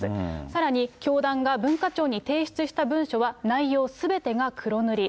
さらに、教団が文化庁に提出した文書は、内容すべてが黒塗り。